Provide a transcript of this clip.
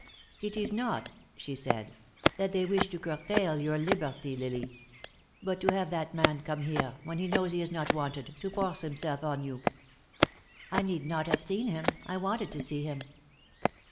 "It is not," she said, "that they wish to curtail your liberty, Lily. But to have that man come here, when he knows he is not wanted, to force himself on you " "I need not have seen him. I wanted to see him."